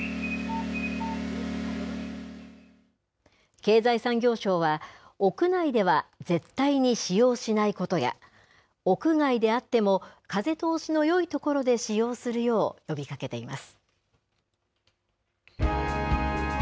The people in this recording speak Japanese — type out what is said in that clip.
経済産業省は、屋内では絶対に使用しないことや、屋外であっても、風通しのよい所で使用するよう呼びかけています。